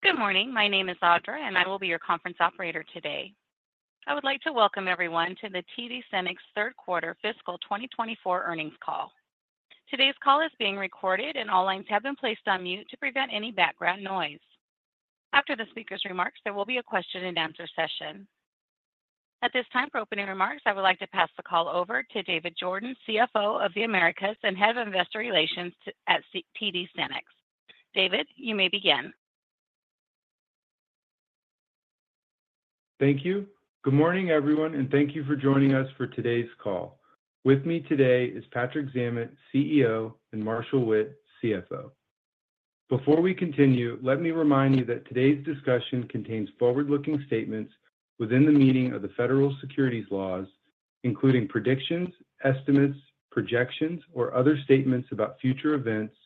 Good morning. My name is Audra, and I will be your conference operator today. I would like to welcome everyone to the TD SYNNEX third quarter fiscal twenty twenty-four earnings call. Today's call is being recorded, and all lines have been placed on mute to prevent any background noise. After the speaker's remarks, there will be a question-and-answer session. At this time, for opening remarks, I would like to pass the call over to David Jordan, CFO of the Americas and Head of Investor Relations at TD SYNNEX. David, you may begin. Thank you. Good morning, everyone, and thank you for joining us for today's call. With me today is Patrick Zammit, CEO, and Marshall Witt, CFO. Before we continue, let me remind you that today's discussion contains forward-looking statements within the meaning of the federal securities laws, including predictions, estimates, projections, or other statements about future events,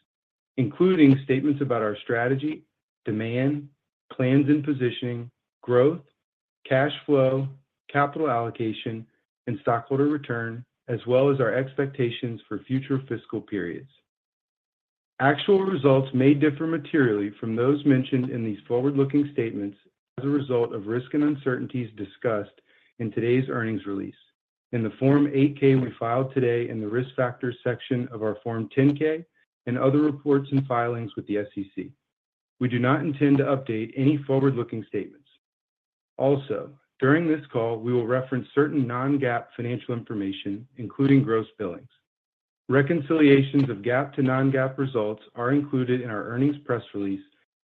including statements about our strategy, demand, plans and positioning, growth, cash flow, capital allocation, and stockholder return, as well as our expectations for future fiscal periods. Actual results may differ materially from those mentioned in these forward-looking statements as a result of risks and uncertainties discussed in today's earnings release, in the Form 8-K we filed today, in the Risk Factors section of our Form 10-K, and other reports and filings with the SEC. We do not intend to update any forward-looking statements. Also, during this call, we will reference certain non-GAAP financial information, including gross billings. Reconciliations of GAAP to non-GAAP results are included in our earnings press release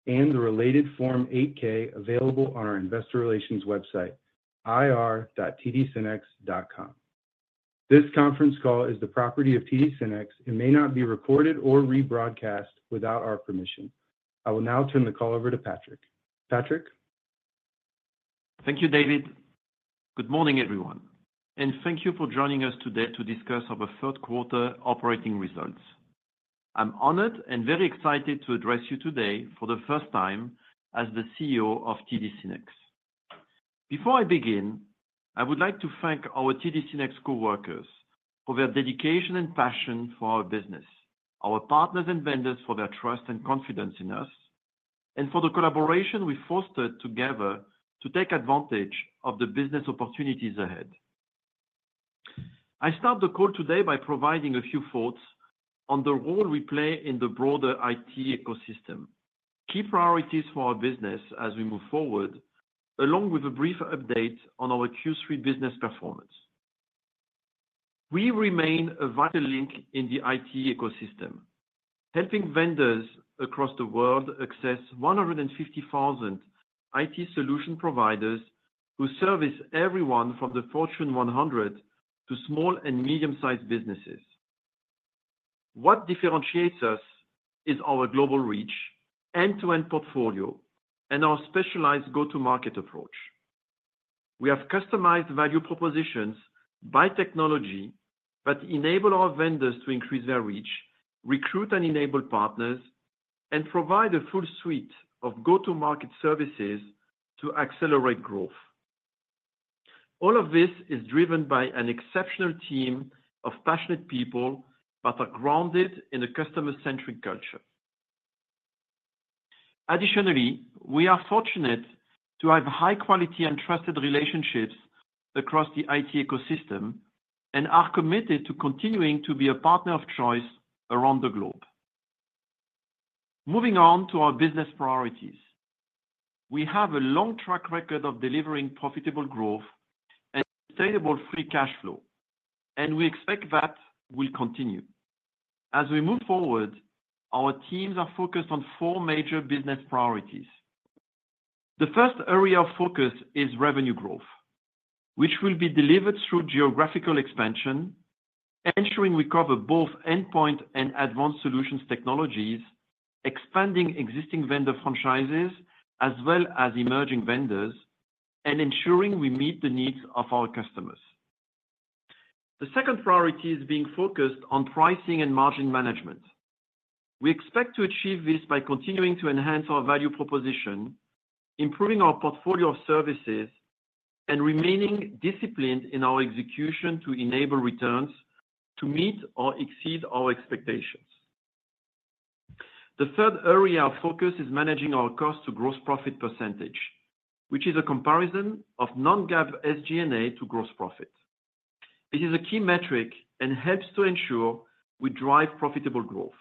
and the related Form 8-K available on our investor relations website, ir.tdsynnex.com. This conference call is the property of TD SYNNEX and may not be recorded or rebroadcast without our permission. I will now turn the call over to Patrick. Patrick? Thank you, David. Good morning, everyone, and thank you for joining us today to discuss our third quarter operating results. I'm honored and very excited to address you today for the first time as the CEO of TD SYNNEX. Before I begin, I would like to thank our TD SYNNEX coworkers for their dedication and passion for our business, our partners and vendors for their trust and confidence in us, and for the collaboration we fostered together to take advantage of the business opportunities ahead. I start the call today by providing a few thoughts on the role we play in the broader IT ecosystem, key priorities for our business as we move forward, along with a brief update on our Q3 business performance. We remain a vital link in the IT ecosystem, helping vendors across the world access 150,000 IT solution providers who service everyone from the Fortune 100 to small and medium-sized businesses. What differentiates us is our global reach, end-to-end portfolio, and our specialized go-to-market approach. We have customized value propositions by technology that enable our vendors to increase their reach, recruit and enable partners, and provide a full suite of go-to-market services to accelerate growth. All of this is driven by an exceptional team of passionate people that are grounded in a customer-centric culture. Additionally, we are fortunate to have high quality and trusted relationships across the IT ecosystem and are committed to continuing to be a partner of choice around the globe. Moving on to our business priorities. We have a long track record of delivering profitable growth and sustainable free cash flow, and we expect that will continue. As we move forward, our teams are focused on four major business priorities. The first area of focus is revenue growth, which will be delivered through geographical expansion, ensuring we cover both Endpoint and Advanced Solutions technologies, expanding existing vendor franchises, as well as emerging vendors, and ensuring we meet the needs of our customers. The second priority is being focused on pricing and margin management. We expect to achieve this by continuing to enhance our value proposition, improving our portfolio of services, and remaining disciplined in our execution to enable returns to meet or exceed our expectations. The third area of focus is managing our cost to gross profit percentage, which is a comparison of non-GAAP SG&A to gross profit. It is a key metric and helps to ensure we drive profitable growth.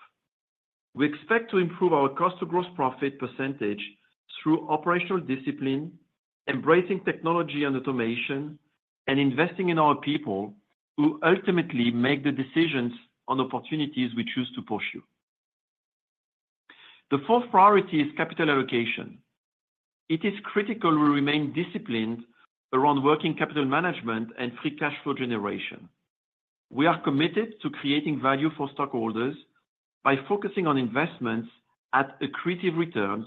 We expect to improve our cost to gross profit percentage through operational discipline, embracing technology and automation, and investing in our people who ultimately make the decisions on opportunities we choose to pursue. The fourth priority is capital allocation. It is critical we remain disciplined around working capital management and free cash flow generation. We are committed to creating value for stockholders by focusing on investments at accretive returns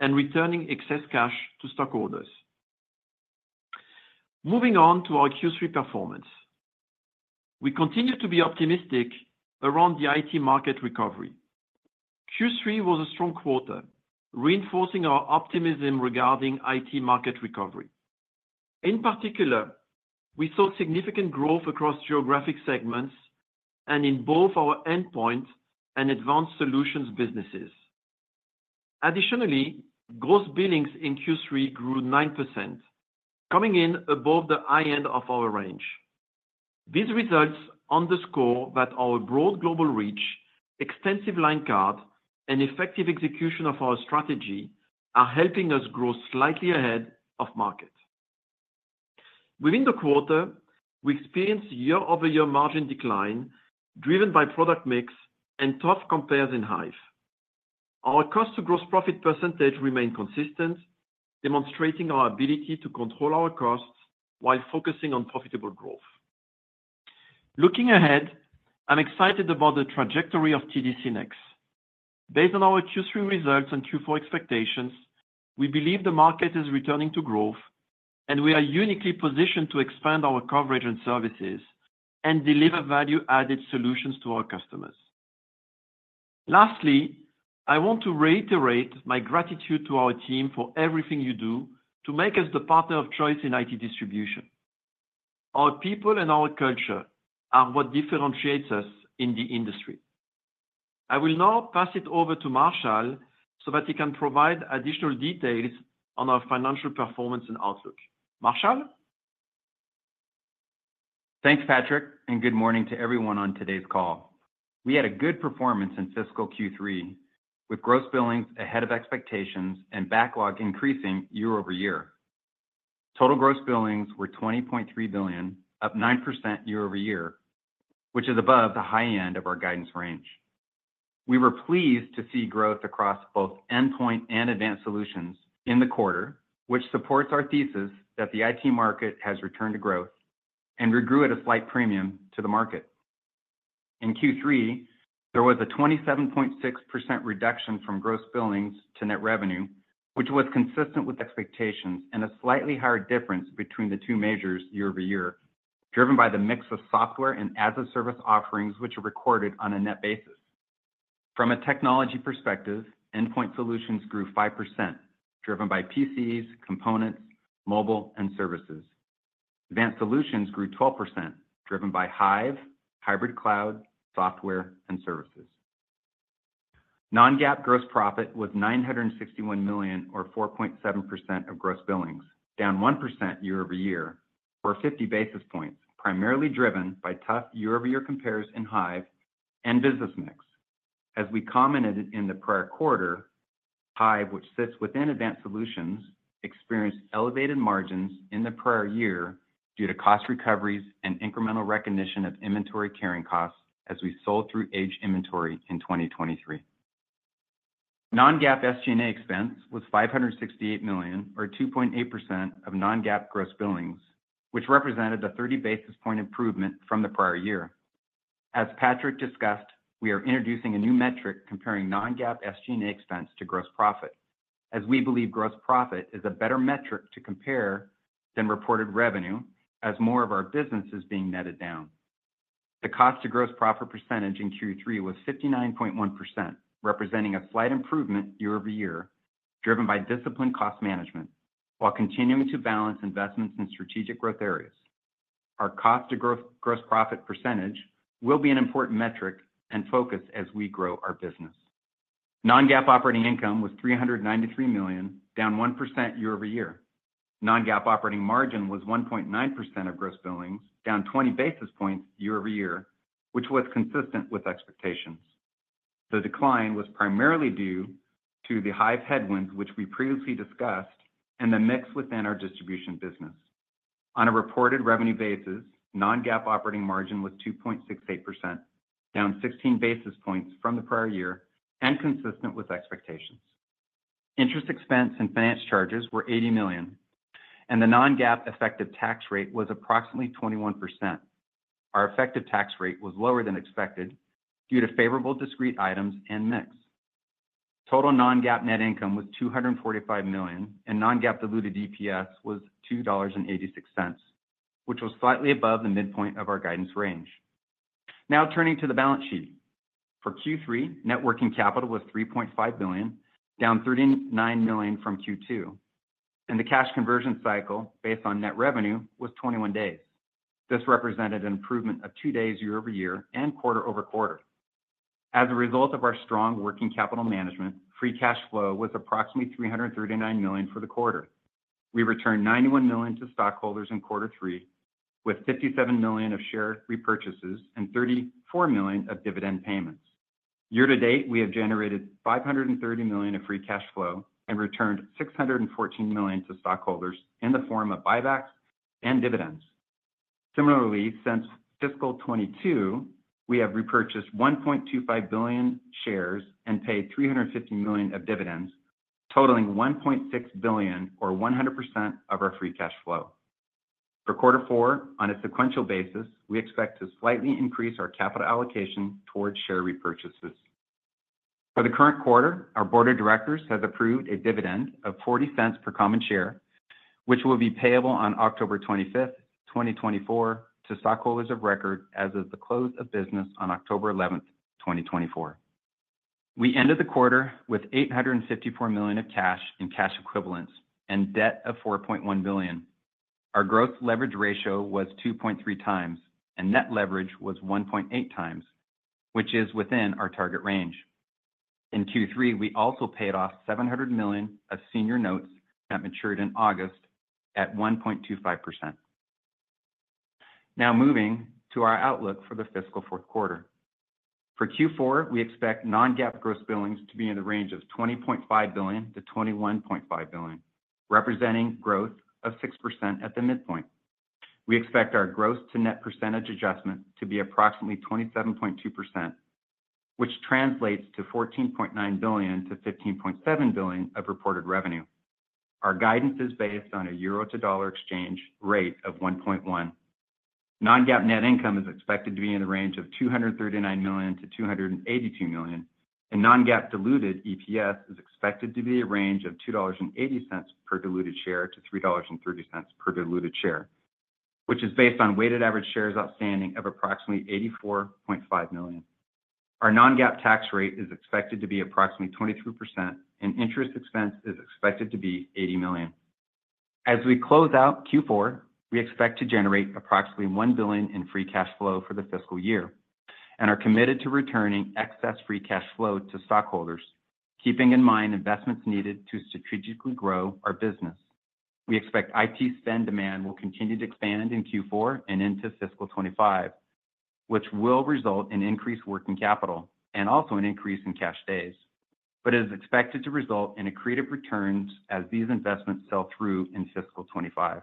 and returning excess cash to stockholders. Moving on to our Q3 performance. We continue to be optimistic around the IT market recovery. Q3 was a strong quarter, reinforcing our optimism regarding IT market recovery. In particular, we saw significant growth across geographic segments and in both our Endpoint and Advanced Solutions businesses. Additionally, gross billings in Q3 grew 9%, coming in above the high end of our range. These results underscore that our broad global reach, extensive line card, and effective execution of our strategy are helping us grow slightly ahead of market. Within the quarter, we experienced year-over-year margin decline, driven by product mix and tough compares in Hyve. Our cost to gross profit percentage remained consistent, demonstrating our ability to control our costs while focusing on profitable growth. Looking ahead, I'm excited about the trajectory of TD SYNNEX. Based on our Q3 results and Q4 expectations, we believe the market is returning to growth, and we are uniquely positioned to expand our coverage and services and deliver value-added solutions to our customers. Lastly, I want to reiterate my gratitude to our team for everything you do to make us the partner of choice in IT distribution. Our people and our culture are what differentiates us in the industry. I will now pass it over to Marshall, so that he can provide additional details on our financial performance and outlook. Marshall? Thanks, Patrick, and good morning to everyone on today's call. We had a good performance in fiscal Q3, with gross billings ahead of expectations and backlog increasing year over year. Total gross billings were $20.3 billion, up 9% year over year, which is above the high end of our guidance range. We were pleased to see growth across both endpoint and advanced solutions in the quarter, which supports our thesis that the IT market has returned to growth and regrew at a slight premium to the market. In Q3, there was a 27.6% reduction from gross billings to net revenue, which was consistent with expectations and a slightly higher difference between the two majors year over year, driven by the mix of software and as-a-service offerings, which are recorded on a net basis. From a technology perspective, Endpoint Solutions grew 5%, driven by PCs, components, mobile, and services. Advanced Solutions grew 12%, driven by Hyve, hybrid cloud, software, and services. Non-GAAP gross profit was $961 million, or 4.7% of gross billings, down 1% year over year, or 50 basis points, primarily driven by tough year-over-year compares in Hyve and business mix. As we commented in the prior quarter, Hyve, which sits within Advanced Solutions, experienced elevated margins in the prior year due to cost recoveries and incremental recognition of inventory carrying costs as we sold through aged inventory in 2023. Non-GAAP SG&A expense was $568 million, or 2.8% of non-GAAP gross billings, which represented a 30 basis point improvement from the prior year. As Patrick discussed, we are introducing a new metric comparing non-GAAP SG&A expense to gross profit, as we believe gross profit is a better metric to compare than reported revenue, as more of our business is being netted down. The cost to gross profit percentage in Q3 was 59.1%, representing a slight improvement year over year, driven by disciplined cost management, while continuing to balance investments in strategic growth areas. Our cost to gross profit percentage will be an important metric and focus as we grow our business. Non-GAAP operating income was $393 million, down 1% year over year. Non-GAAP operating margin was 1.9% of gross billings, down 20 basis points year over year, which was consistent with expectations. The decline was primarily due to the Hyve headwinds, which we previously discussed, and the mix within our distribution business. On a reported revenue basis, non-GAAP operating margin was 2.68%, down sixteen basis points from the prior year and consistent with expectations. Interest expense and finance charges were $80 million, and the non-GAAP effective tax rate was approximately 21%. Our effective tax rate was lower than expected due to favorable discrete items and mix. Total non-GAAP net income was $245 million, and non-GAAP diluted EPS was $2.86, which was slightly above the midpoint of our guidance range. Now, turning to the balance sheet. For Q3, net working capital was $3.5 billion, down $39 million from Q2, and the cash conversion cycle, based on net revenue, was 21 days. This represented an improvement of 2 days year over year and quarter over quarter. As a result of our strong working capital management, free cash flow was approximately $339 million for the quarter. We returned $91 million to stockholders in quarter three, with $57 million of share repurchases and $34 million of dividend payments. Year to date, we have generated $530 million of free cash flow and returned $614 million to stockholders in the form of buybacks and dividends. Similarly, since fiscal 2022, we have repurchased $1.25 billion shares and paid $350 million of dividends, totaling $1.6 billion, or 100% of our free cash flow. For quarter four, on a sequential basis, we expect to slightly increase our capital allocation towards share repurchases. For the current quarter, our board of directors has approved a dividend of $0.40 per common share, which will be payable on October 25th, 2024, to stockholders of record as of the close of business on October 11th, 2024. We ended the quarter with $854 million in cash and cash equivalents and debt of $4.1 billion. Our gross leverage ratio was 2.3 times, and net leverage was 1.8 times, which is within our target range. In Q3, we also paid off $700 million of senior notes that matured in August at 1.25%. Now moving to our outlook for the fiscal fourth quarter. For Q4, we expect non-GAAP gross billings to be in the range of $20.5 billion to $21.5 billion, representing growth of 6% at the midpoint. We expect our gross to net percentage adjustment to be approximately 27.2%, which translates to $14.9 billion-$15.7 billion of reported revenue. Our guidance is based on a EUR to USD exchange rate of 1.1. Non-GAAP net income is expected to be in the range of $239 million-$282 million, and non-GAAP diluted EPS is expected to be a range of $2.80 per diluted share-$3.30 per diluted share, which is based on weighted average shares outstanding of approximately 84.5 million. Our non-GAAP tax rate is expected to be approximately 22%, and interest expense is expected to be $80 million. As we close out Q4, we expect to generate approximately $1 billion in free cash flow for the fiscal year and are committed to returning excess free cash flow to stockholders, keeping in mind investments needed to strategically grow our business. We expect IT spend demand will continue to expand in Q4 and into fiscal twenty-five, which will result in increased working capital and also an increase in cash days, but is expected to result in accretive returns as these investments sell through in fiscal twenty-five.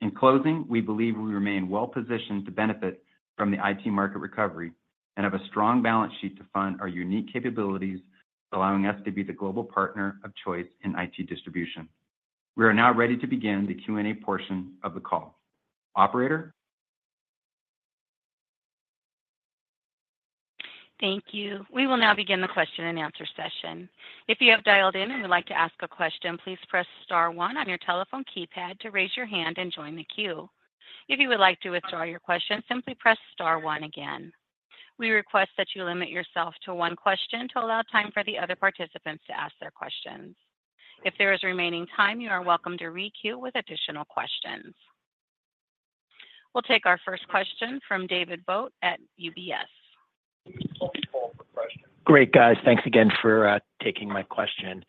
In closing, we believe we remain well positioned to benefit from the IT market recovery and have a strong balance sheet to fund our unique capabilities, allowing us to be the global partner of choice in IT distribution. We are now ready to begin the Q&A portion of the call. Operator? Thank you. We will now begin the question and answer session. If you have dialed in and would like to ask a question, please press star one on your telephone keypad to raise your hand and join the queue. If you would like to withdraw your question, simply press star one again. We request that you limit yourself to one question to allow time for the other participants to ask their questions. If there is remaining time, you are welcome to re queue with additional questions. We'll take our first question from David Vogt at UBS. Great, guys. Thanks again for taking my question.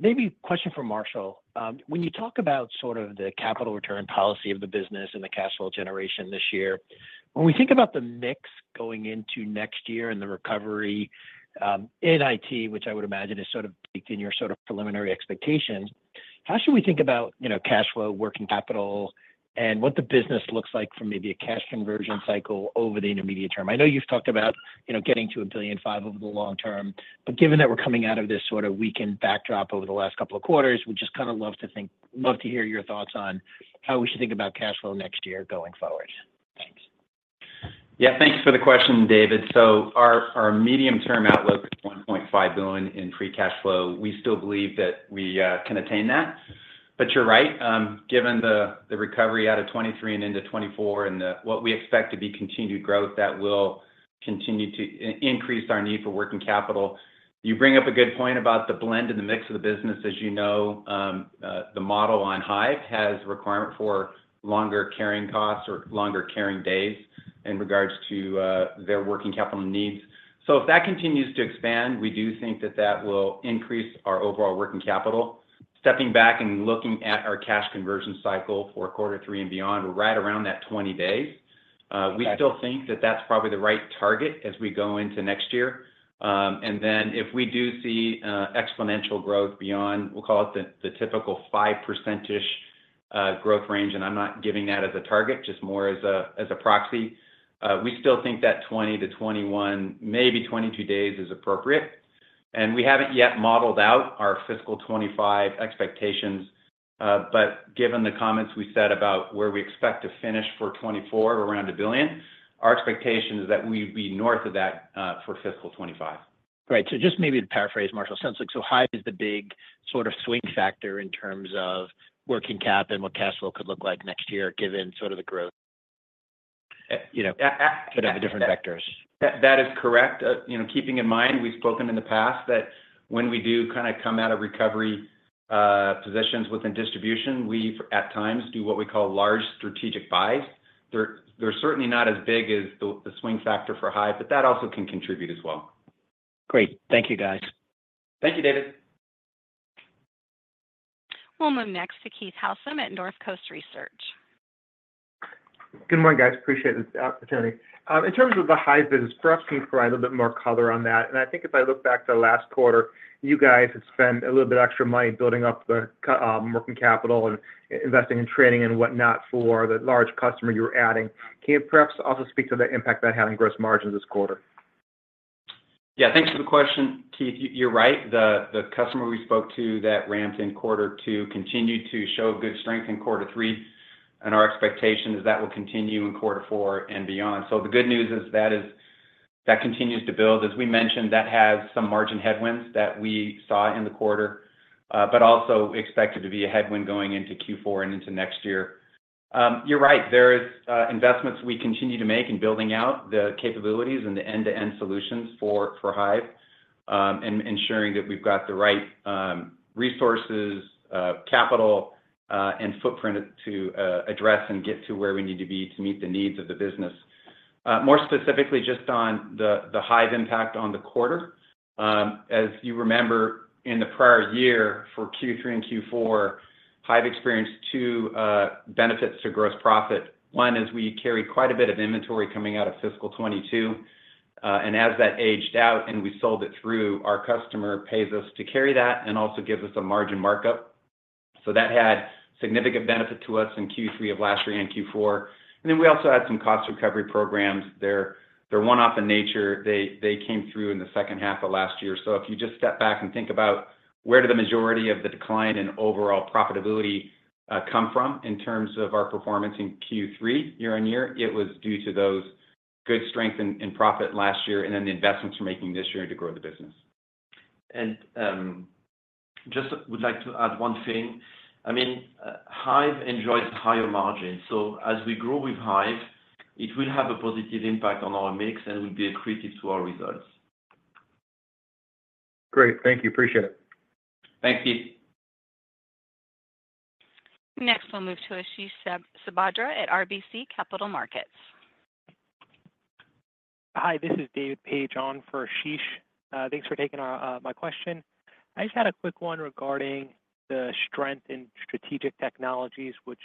Maybe a question for Marshall. When you talk about sort of the capital return policy of the business and the cash flow generation this year, when we think about the mix going into next year and the recovery in IT, which I would imagine is sort of peaked in your sort of preliminary expectations, how should we think about, you know, cash flow, working capital, and what the business looks like from maybe a cash conversion cycle over the intermediate term? I know you've talked about, you know, getting to $1.5 billion over the long term, but given that we're coming out of this sort of weakened backdrop over the last couple of quarters, we'd just kind of love to hear your thoughts on how we should think about cash flow next year going forward. Thanks. Yeah, thanks for the question, David. Our medium-term outlook is $1.5 billion in free cash flow. We still believe that we can attain that. But you're right, given the recovery out of 2023 and into 2024 and the what we expect to be continued growth, that will continue to increase our need for working capital. You bring up a good point about the blend and the mix of the business. As you know, the model on Hyve has requirement for longer carrying costs or longer carrying days in regards to their working capital needs. So if that continues to expand, we do think that that will increase our overall working capital. Stepping back and looking at our cash conversion cycle for quarter three and beyond, we're right around that 20 days. We still think that that's probably the right target as we go into next year, and then if we do see exponential growth beyond, we'll call it the, the typical 5% growth range, and I'm not giving that as a target, just more as a, as a proxy, we still think that 20-21, maybe 22 days is appropriate, and we haven't yet modeled out our fiscal 2025 expectations, but given the comments we said about where we expect to finish for 2024, around $1 billion, our expectation is that we'd be north of that for fiscal 2025. Great. So just maybe to paraphrase Marshall's sense, like, so Hyve is the big sort of swing factor in terms of working cap and what cash flow could look like next year, given sort of the growth, you know, but of the different vectors. That is correct. You know, keeping in mind, we've spoken in the past that when we do kinda come out of recovery positions within distribution, we've at times do what we call large strategic buys. They're certainly not as big as the swing factor for Hive, but that also can contribute as well. Great. Thank you, guys. Thank you, David. We'll move next to Keith Housum at North Coast Research. Good morning, guys. Appreciate this opportunity. In terms of the Hyve business, perhaps can you provide a little bit more color on that? And I think if I look back to last quarter, you guys have spent a little bit extra money building up the working capital and investing in training and whatnot for the large customer you're adding. Can you perhaps also speak to the impact that had on gross margins this quarter? Yeah, thanks for the question, Keith. You're right, the customer we spoke to that ramped in quarter two continued to show good strength in quarter three, and our expectation is that will continue in quarter four and beyond. So the good news is that continues to build. As we mentioned, that has some margin headwinds that we saw in the quarter, but also expected to be a headwind going into Q4 and into next year. You're right. There is investments we continue to make in building out the capabilities and the end-to-end solutions for Hyve, and ensuring that we've got the right resources, capital, and footprint to address and get to where we need to be to meet the needs of the business. More specifically, just on the Hyve impact on the quarter. As you remember, in the prior year for Q3 and Q4, Hyve experienced two benefits to gross profit. One, is we carry quite a bit of inventory coming out of fiscal twenty-two, and as that aged out and we sold it through, our customer pays us to carry that and also gives us a margin markup. So that had significant benefit to us in Q3 of last year and Q4. And then we also had some cost recovery programs. They're one-off in nature. They came through in the second half of last year. So if you just step back and think about where the majority of the decline in overall profitability come from in terms of our performance in Q3 year on year, it was due to those good strength in profit last year and then the investments we're making this year to grow the business. And just would like to add one thing. I mean, Hyve enjoys higher margins, so as we grow with Hyve, it will have a positive impact on our mix and will be accretive to our results. Great. Thank you. Appreciate it. Thank you. Next, we'll move to Ashish Sabadra at RBC Capital Markets. Hi, this is David Page on for Ashish. Thanks for taking my question. I just had a quick one regarding the strength in strategic technologies, which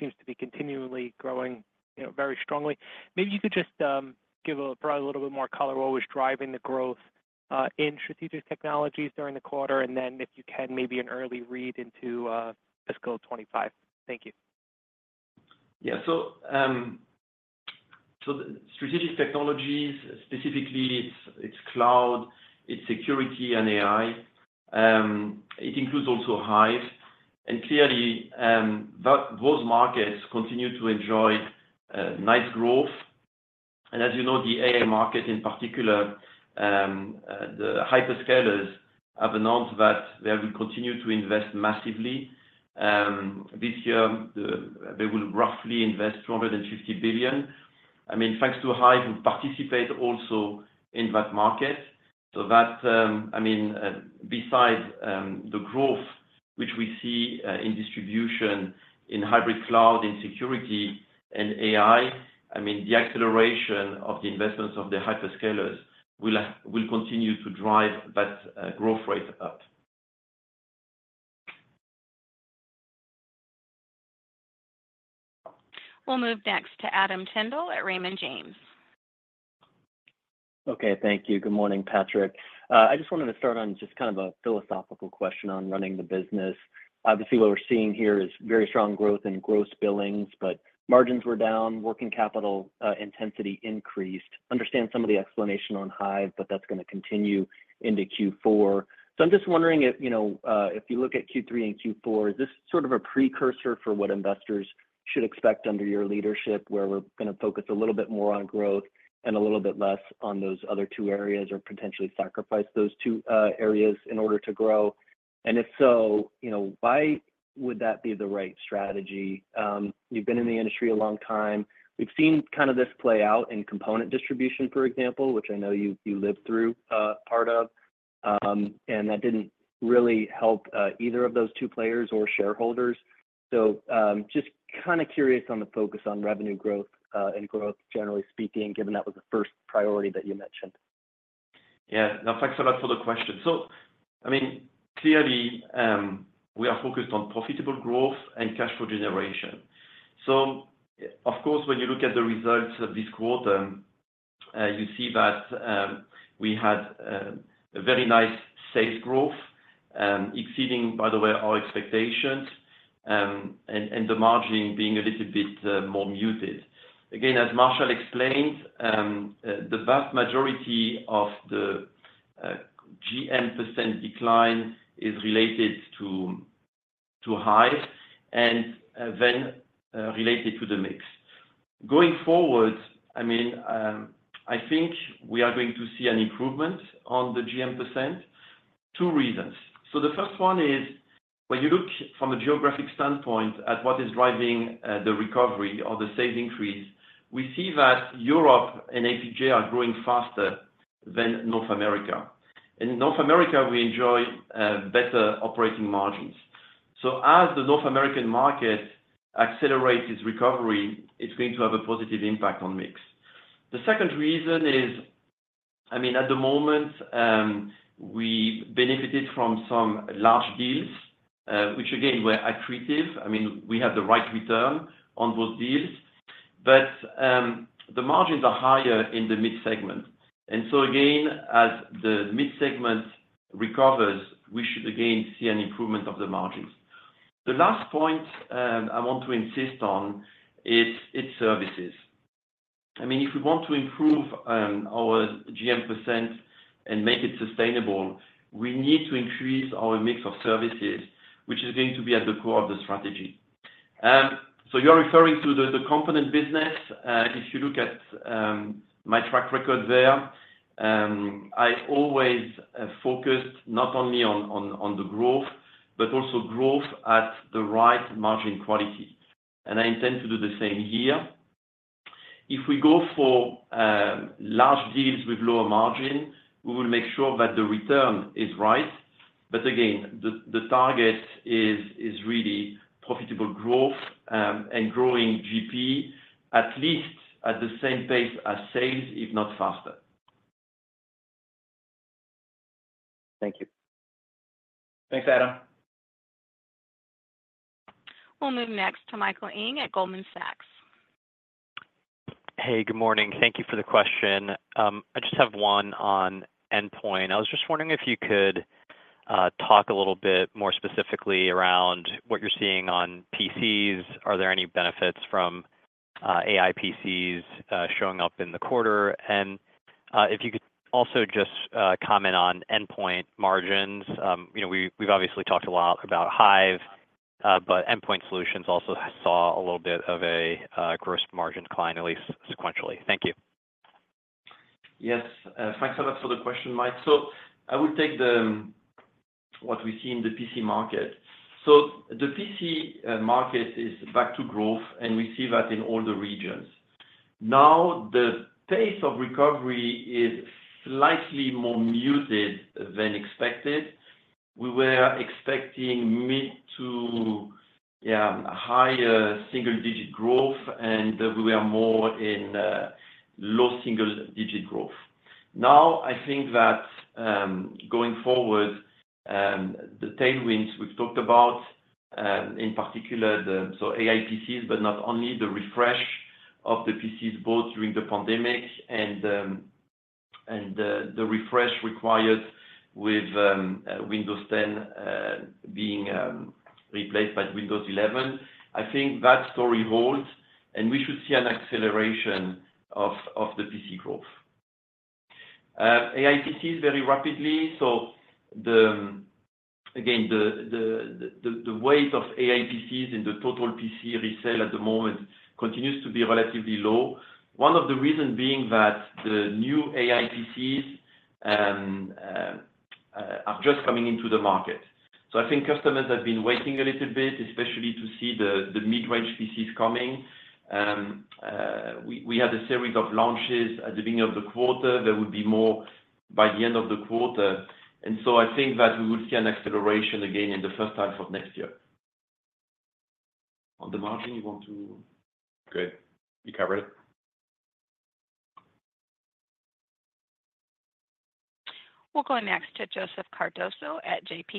seems to be continually growing, you know, very strongly. Maybe you could just give a probably a little bit more color on what was driving the growth in strategic technologies during the quarter, and then if you can, maybe an early read into fiscal twenty-five. Thank you. Yeah. So, strategic technologies, specifically, it's cloud, it's security and AI. It includes also Hyve, and clearly, those markets continue to enjoy nice growth. And as you know, the AI market in particular, the hyperscalers have announced that they will continue to invest massively. This year, they will roughly invest $250 billion. I mean, thanks to Hyve, who participate also in that market. So that, I mean, besides the growth which we see in distribution in hybrid cloud, in security and AI, I mean, the acceleration of the investments of the hyperscalers will continue to drive that growth rate up. We'll move next to Adam Tindle at Raymond James. Okay. Thank you. Good morning, Patrick. I just wanted to start on just kind of a philosophical question on running the business. Obviously, what we're seeing here is very strong growth in gross billings, but margins were down, working capital intensity increased. I understand some of the explanation on Hyve, but that's going to continue into Q4. So I'm just wondering if, you know, if you look at Q3 and Q4, is this sort of a precursor for what investors should expect under your leadership, where we're going to focus a little bit more on growth and a little bit less on those other two areas, or potentially sacrifice those two areas in order to grow? And if so, you know, why would that be the right strategy? You've been in the industry a long time. We've seen kind of this play out in component distribution, for example, which I know you lived through, part of, and that didn't really help, either of those two players or shareholders. So, just kind of curious on the focus on revenue growth, and growth, generally speaking, given that was the first priority that you mentioned. Yeah. Now, thanks a lot for the question. So I mean, clearly, we are focused on profitable growth and cash flow generation. So of course, when you look at the results of this quarter, you see that, we had a very nice sales growth, exceeding, by the way, our expectations, and the margin being a little bit more muted. Again, as Marshall explained, the vast majority of the GM % decline is related to Hive and then related to the mix. Going forward, I mean, I think we are going to see an improvement on the GM %. Two reasons: So the first one is, when you look from a geographic standpoint at what is driving the recovery or the sales increase, we see that Europe and APJ are growing faster than North America. And in North America, we enjoy better operating margins. So as the North American market accelerates its recovery, it's going to have a positive impact on mix. The second reason is, I mean, at the moment, we benefited from some large deals, which again, were accretive. I mean, we had the right return on those deals, but the margins are higher in the mid-segment. And so again, as the mid-segment recovers, we should again see an improvement of the margins. The last point, I want to insist on is its services. I mean, if we want to improve our GM % and make it sustainable, we need to increase our mix of services, which is going to be at the core of the strategy. So you're referring to the component business. If you look at my track record there... I always focused not only on the growth, but also growth at the right margin quality, and I intend to do the same here. If we go for large deals with lower margin, we will make sure that the return is right. But again, the target is really profitable growth, and growing GP, at least at the same pace as sales, if not faster. Thank you. Thanks, Adam. We'll move next to Michael Ng at Goldman Sachs. Hey, good morning. Thank you for the question. I just have one on Endpoint. I was just wondering if you could talk a little bit more specifically around what you're seeing on PCs. Are there any benefits from AI PCs showing up in the quarter? And if you could also just comment on Endpoint margins. You know, we've obviously talked a lot about Hive, but Endpoint Solutions also saw a little bit of a gross margin decline, at least sequentially. Thank you. Yes. Thanks a lot for the question, Mike. So I will take what we see in the PC market. So the PC market is back to growth, and we see that in all the regions. Now, the pace of recovery is slightly more muted than expected. We were expecting mid- to higher single-digit growth, and we are more in low single-digit growth. Now, I think that going forward, the tailwinds we've talked about in particular the AI PCs, but not only the refresh of the PCs bought during the pandemic and the refresh required with Windows 10 being replaced by Windows 11. I think that story holds, and we should see an acceleration of the PC growth. AI PCs very rapidly, so again, the weight of AI PCs in the total PC resale at the moment continues to be relatively low. One of the reason being that the new AI PCs are just coming into the market. So I think customers have been waiting a little bit, especially to see the mid-range PCs coming. We had a series of launches at the beginning of the quarter. There will be more by the end of the quarter. And so I think that we will see an acceleration again in the first half of next year. On the margin, you want to- Good. You covered it. We'll go next to c.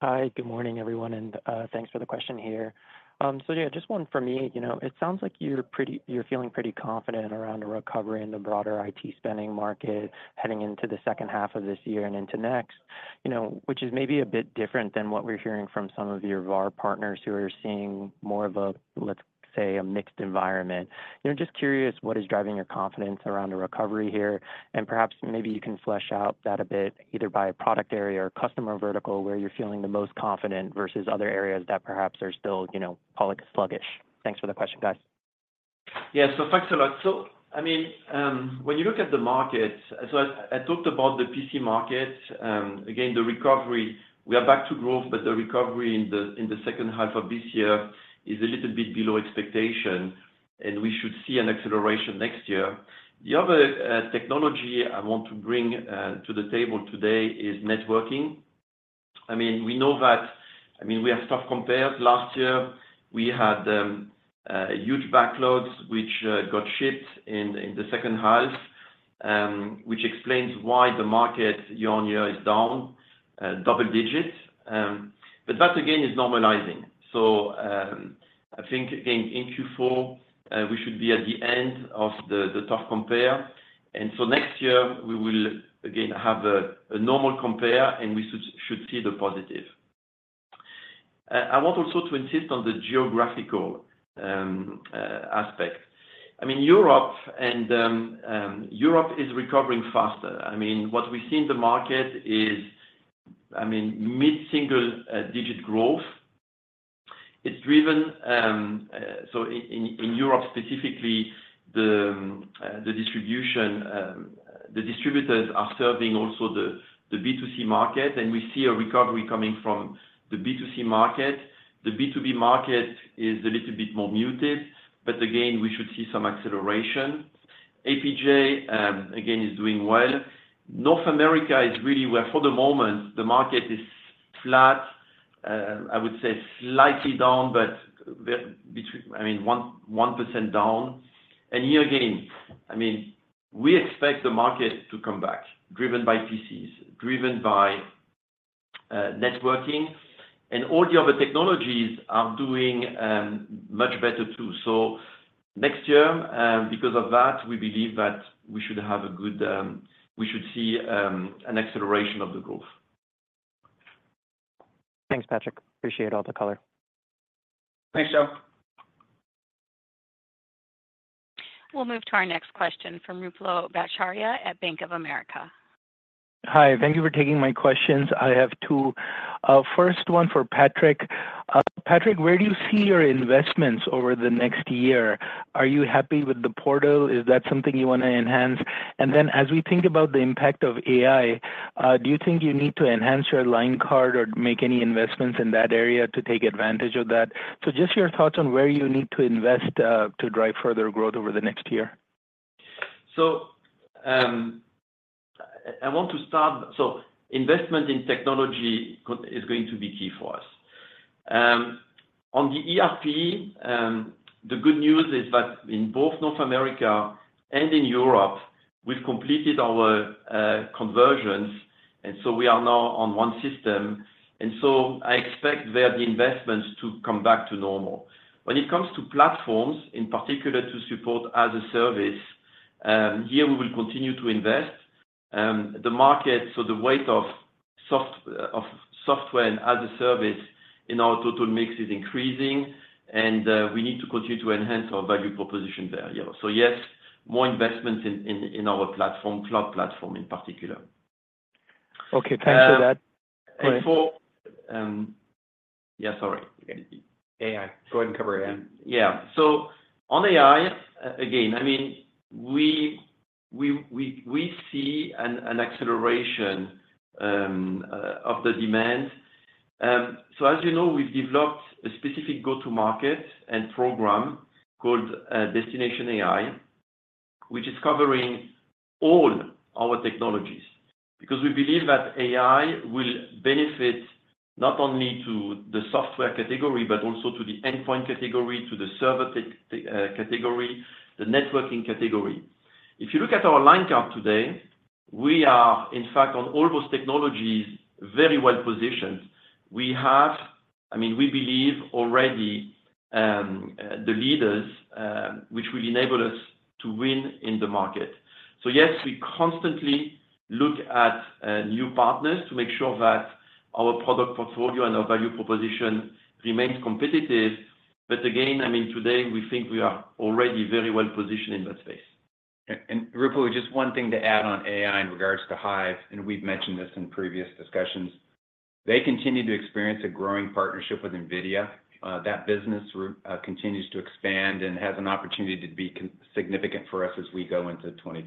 Hi, good morning, everyone, and thanks for the question here. So yeah, just one for me. You know, it sounds like you're feeling pretty confident around a recovery in the broader IT spending market heading into the second half of this year and into next, you know, which is maybe a bit different than what we're hearing from some of your VAR partners who are seeing more of a, let's say, a mixed environment. You know, just curious, what is driving your confidence around a recovery here? And perhaps maybe you can flesh out that a bit, either by product area or customer vertical, where you're feeling the most confident versus other areas that perhaps are still, you know, call it sluggish. Thanks for the question, guys. Yeah, so thanks a lot. So I mean, when you look at the market, so I talked about the PC market. Again, the recovery, we are back to growth, but the recovery in the second half of this year is a little bit below expectation, and we should see an acceleration next year. The other technology I want to bring to the table today is networking. I mean, we know that. I mean, we have stuff compared. Last year, we had huge backlogs, which got shipped in the second half, which explains why the market year-on-year is down double digits. But that, again, is normalizing. So, I think again, in Q4, we should be at the end of the tough compare. Next year we will again have a normal compare, and we should see the positive. I want also to insist on the geographical aspect. I mean, Europe is recovering faster. I mean, what we see in the market is mid-single-digit growth. It's driven. In Europe specifically, the distributors are serving also the B2C market, and we see a recovery coming from the B2C market. The B2B market is a little bit more muted, but again, we should see some acceleration. APJ again is doing well. North America is really where, for the moment, the market is flat. I would say slightly down, but between 1% down. And here again, I mean, we expect the market to come back, driven by PCs, driven by networking, and all the other technologies are doing much better, too. So next year, because of that, we believe that we should have a good, we should see an acceleration of the growth. Thanks, Patrick. Appreciate all the color. Thanks, Joe. We'll move to our next question from Ruplu Bhattacharya at Bank of America. ... Hi, thank you for taking my questions. I have two. First one for Patrick. Patrick, where do you see your investments over the next year? Are you happy with the portal? Is that something you want to enhance? And then, as we think about the impact of AI, do you think you need to enhance your line card or make any investments in that area to take advantage of that? So just your thoughts on where you need to invest to drive further growth over the next year. So investment in technology companies is going to be key for us. On the ERP, the good news is that in both North America and in Europe, we've completed our conversions, and so we are now on one system. And so I expect there the investments to come back to normal. When it comes to platforms, in particular to support as a service, here we will continue to invest in the market. So the weight of software and as a service in our total mix is increasing, and we need to continue to enhance our value proposition there, you know. So yes, more investments in our platform, cloud platform in particular. Okay, thanks for that. And for... Yeah, sorry. AI. Go ahead and cover AI. Yeah, so on AI, again, I mean, we see an acceleration of the demand, so as you know, we've developed a specific go-to-market and program called Destination AI, which is covering all our technologies, because we believe that AI will benefit not only to the software category, but also to the endpoint category, to the server category, the networking category. If you look at our line card today, we are, in fact, on all those technologies, very well positioned. We have, I mean, we believe already the leaders, which will enable us to win in the market, so yes, we constantly look at new partners to make sure that our product portfolio and our value proposition remains competitive, but again, I mean, today, we think we are already very well positioned in that space. Ruplu, just one thing to add on AI in regards to Hyve, and we've mentioned this in previous discussions. They continue to experience a growing partnership with NVIDIA. That business continues to expand and has an opportunity to be considerably significant for us as we go into twenty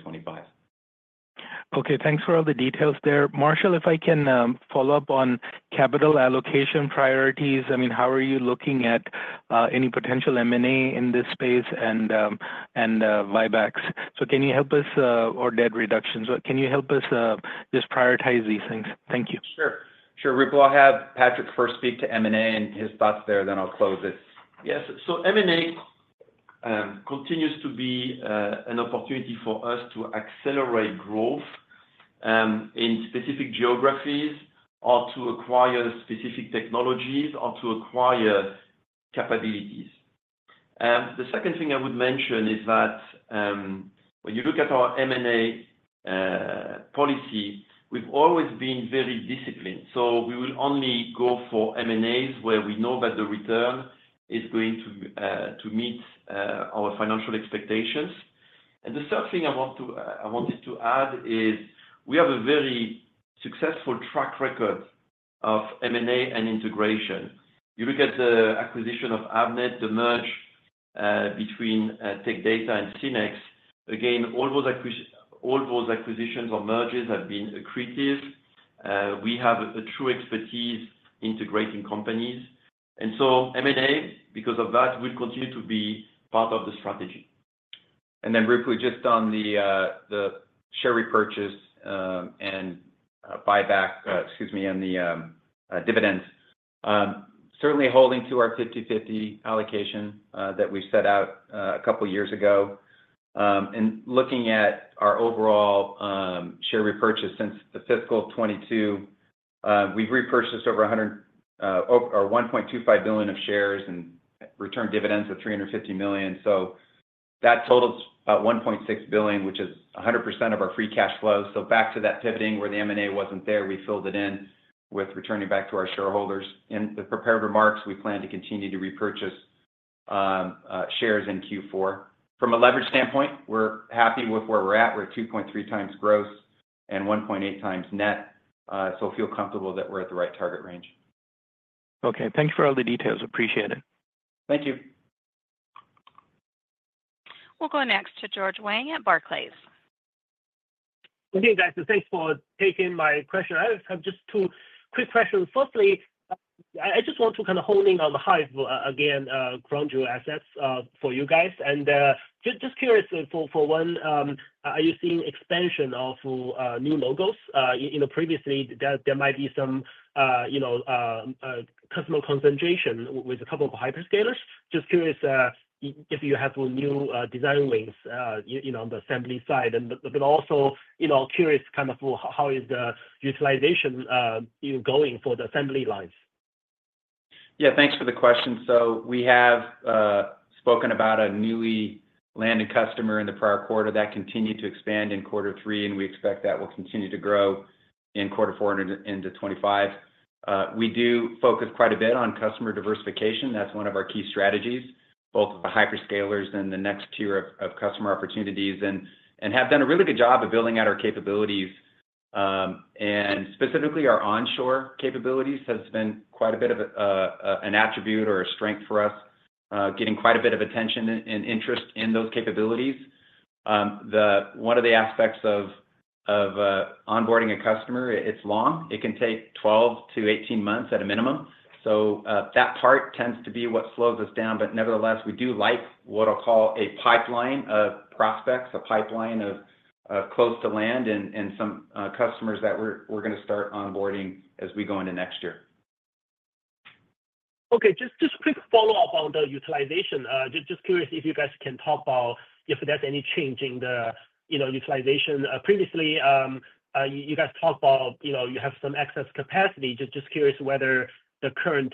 twenty-five. Okay, thanks for all the details there. Marshall, if I can follow up on capital allocation priorities. I mean, how are you looking at any potential M&A in this space and buybacks? So can you help us or debt reductions, but can you help us just prioritize these things? Thank you. Sure. Sure, Ruplu. I'll have Patrick first speak to M&A and his thoughts there, then I'll close it. Yes. So M&A continues to be an opportunity for us to accelerate growth in specific geographies or to acquire specific technologies or to acquire capabilities. The second thing I would mention is that when you look at our M&A policy, we've always been very disciplined. So we will only go for M&As where we know that the return is going to to meet our financial expectations. And the third thing I want to I wanted to add is, we have a very successful track record of M&A and integration. You look at the acquisition of Avnet, the merger between Tech Data and Synnex. Again, all those acquisitions or mergers have been accretive. We have a true expertise integrating companies, and so M&A, because of that, will continue to be part of the strategy. Then Ruplu, just on the share repurchase and buyback, excuse me, and the dividends. Certainly holding to our 50-50 allocation that we set out a couple of years ago. And looking at our overall share repurchase since fiscal 2022, we've repurchased over 100 or $1.25 billion of shares and returned dividends of $350 million. So that totals about $1.6 billion, which is 100% of our free cash flows. So back to that pivoting, where the M&A wasn't there, we filled it in with returning back to our shareholders. In the prepared remarks, we plan to continue to repurchase shares in Q4. From a leverage standpoint, we're happy with where we're at. We're at 2.3 times gross and 1.8 times net, so feel comfortable that we're at the right target range. Okay, thank you for all the details. Appreciate it. Thank you. We'll go next to George Wang at Barclays Okay, guys, so thanks for taking my question. I just have two quick questions. Firstly, I just want to kind of hone in on the Hyve again, Kronos assets, for you guys. And just curious for one, are you seeing expansion of new logos? You know, previously, there might be some you know, customer concentration with a couple of hyperscalers. Just curious if you have a new design wins, you know, on the assembly side, and but also, you know, curious kind of how is the utilization going for the assembly lines? Yeah, thanks for the question. So we have spoken about a newly landed customer in the prior quarter that continued to expand in quarter three, and we expect that will continue to grow in quarter four and into 2025. We do focus quite a bit on customer diversification. That's one of our key strategies, both the hyperscalers and the next tier of customer opportunities and have done a really good job of building out our capabilities, and specifically, our onshore capabilities has been quite a bit of an attribute or a strength for us, getting quite a bit of attention and interest in those capabilities. One of the aspects of onboarding a customer, it's long. It can take 12-18 months at a minimum, so that part tends to be what slows us down. But nevertheless, we do like what I'll call a pipeline of prospects, a pipeline of close to land and some customers that we're gonna start onboarding as we go into next year. Okay, just quick follow-up on the utilization. Just curious if you guys can talk about if there's any change in the, you know, utilization. Previously, you guys talked about, you know, you have some excess capacity. Just curious whether the current,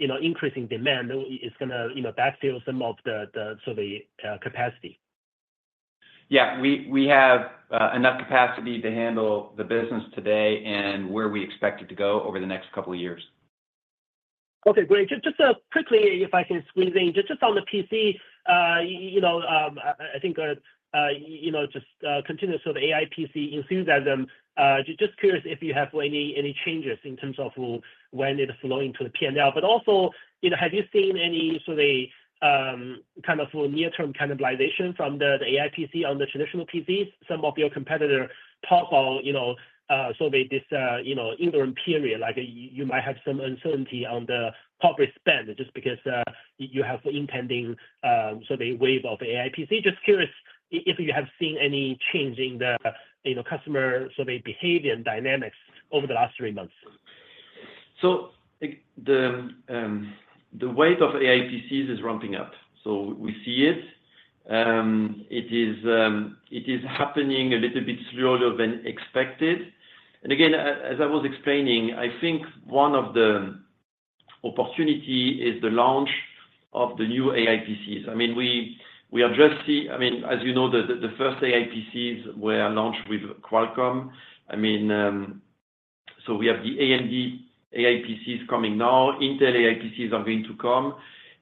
you know, increasing demand is gonna, you know, backfill some of the capacity. Yeah, we have enough capacity to handle the business today and where we expect it to go over the next couple of years. Okay, great. Just quickly, if I can squeeze in, just on the PC. You know, I think you know, just continuous with the AI PC enthusiasm. Just curious if you have any changes in terms of when it is flowing to the PNL. But also, you know, have you seen any sort of kind of near-term cannibalization from the AI PC on the traditional PCs? Some of your competitor talk about, you know, interim period, like you might have some uncertainty on the top spend just because you have impending so the wave of AI PC. Just curious if you have seen any change in the you know, customer sort of behavior and dynamics over the last three months. So the weight of AI PCs is ramping up, so we see it. It is happening a little bit slower than expected. And again, as I was explaining, I think one of the opportunity is the launch of the new AI PCs. I mean, we are just, I mean, as you know, the first AI PCs were launched with Qualcomm. I mean, so we have the AMD AI PCs coming now. Intel AI PCs are going to come.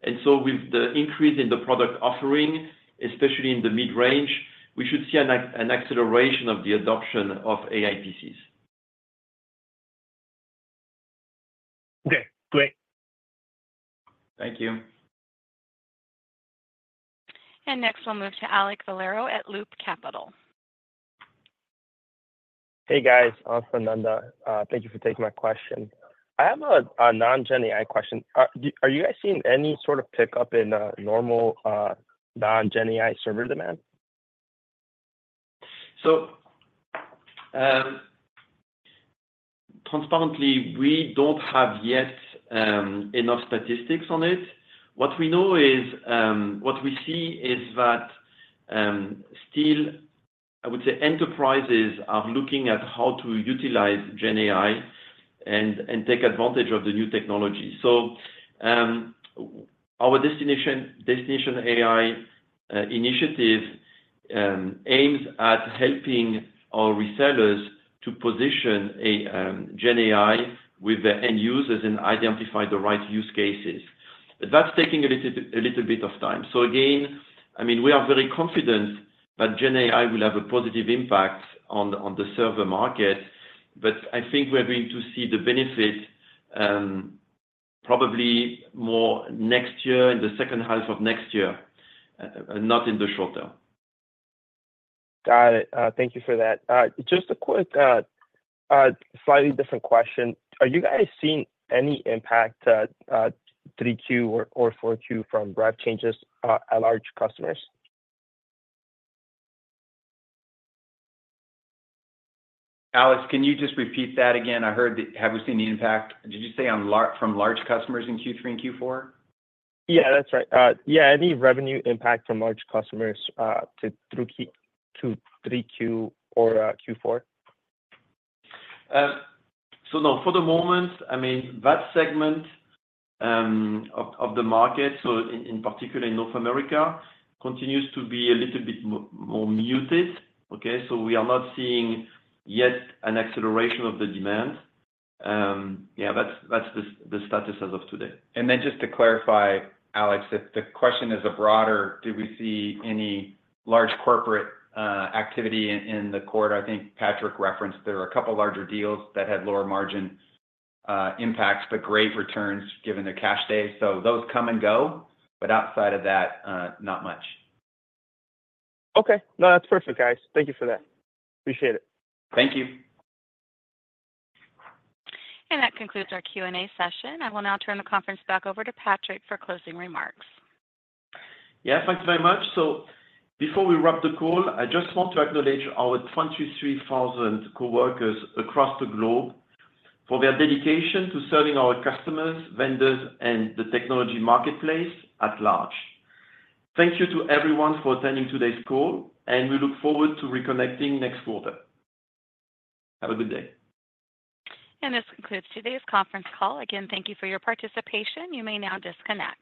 And so with the increase in the product offering, especially in the mid-range, we should see an acceleration of the adoption of AI PCs. Okay, great. Thank you. Next, we'll move to Alek Valero at Loop Capital. Hey, guys, Alex for Ananda. Thank you for taking my question. I have a non-GenAI question. Are you guys seeing any sort of pickup in normal non-GenAI server demand? Transparently, we don't have yet enough statistics on it. What we know is what we see is that still I would say enterprises are looking at how to utilize GenAI and take advantage of the new technology. Our Destination AI initiative aims at helping our resellers to position GenAI with the end users and identify the right use cases. That's taking a little bit of time. Again, I mean, we are very confident that GenAI will have a positive impact on the server market, but I think we are going to see the benefit probably more next year, in the second half of next year, not in the short term. Got it. Thank you for that. Just a quick, slightly different question. Are you guys seeing any impact, three Q or four Q from broad changes, at large customers? Alex, can you just repeat that again? I heard, have we seen the impact... Did you say on large, from large customers in Q3 and Q4? Yeah, that's right. Yeah, any revenue impact from large customers through Q3 or Q4? So no, for the moment, I mean, that segment of the market, so in particular in North America, continues to be a little bit more muted, okay? So we are not seeing yet an acceleration of the demand. Yeah, that's the status as of today. Then, just to clarify, Alex, if the question is a broader, did we see any large corporate activity in the quarter? I think Patrick referenced there were a couple larger deals that had lower margin impacts, but great returns given the cash day. So those come and go, but outside of that, not much. Okay. No, that's perfect, guys. Thank you for that. Appreciate it. Thank you. That concludes our Q&A session. I will now turn the conference back over to Patrick for closing remarks. Yeah, thanks very much, so before we wrap the call, I just want to acknowledge our 23,000 coworkers across the globe for their dedication to serving our customers, vendors, and the technology marketplace at large. Thank you to everyone for attending today's call, and we look forward to reconnecting next quarter. Have a good day. This concludes today's conference call. Again, thank you for your participation. You may now disconnect.